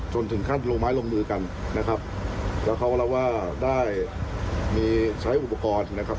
ถึงขั้นลงไม้ลงมือกันนะครับแล้วเขาก็รับว่าได้มีใช้อุปกรณ์นะครับ